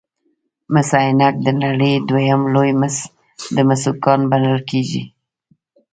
مس عینک د نړۍ دویم لوی د مسو کان بلل کیږي.